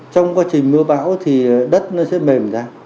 trong quá trình mưa bão thì đất nó sẽ mềm ra